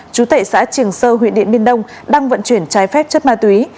chú tệ xã triềng sơ huyện điện biên đông đăng vận chuyển trái phép chân ma túy